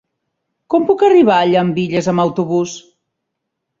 Com puc arribar a Llambilles amb autobús?